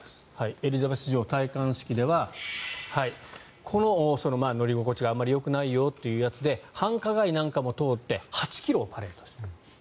エリザベス女王、戴冠式では乗り心地があまりよくないよというやつで繁華街なんかも通って８ｋｍをパレードした。